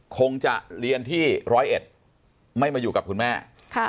คงจะเรียนที่ร้อยเอ็ดไม่มาอยู่กับคุณแม่ค่ะ